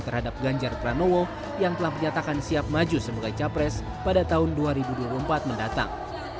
terhadap ganjar pranowo yang telah menyatakan siap maju sebagai capres pada tahun dua ribu dua puluh empat mendatang